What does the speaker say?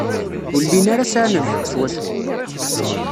Ur llin ara sɛan lḥeqq swaswa.